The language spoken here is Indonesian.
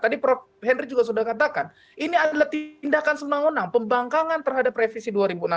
tadi prof henry juga sudah katakan ini adalah tindakan semangunang pembangkangan terhadap revisi dua ribu enam belas